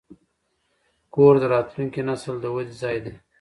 کور د راتلونکي نسل د ودې ځای دی.